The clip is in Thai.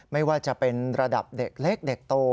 ไม่ว่าจะเป็นระดับเด็กเล็กเด็กโต